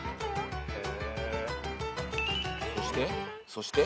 そして？